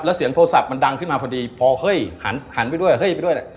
แล้วเสียงโทรศัพท์มันดังขึ้นมาพอดีพอเฮ้ยหันหันไปด้วยเฮ้ยไปด้วยแหละ